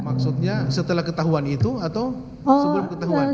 maksudnya setelah ketahuan itu atau sebelum ketahuan